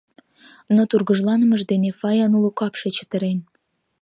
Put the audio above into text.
Но тургыжланымыж дене Фаян уло капше чытырен.